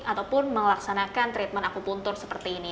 ataupun melaksanakan treatment aku puntur seperti ini